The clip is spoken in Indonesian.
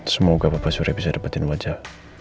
semoga papa surya bisa dapetin wajah